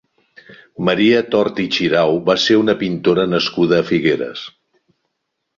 Maria Tort Xirau va ser una pintora nascuda a Figueres.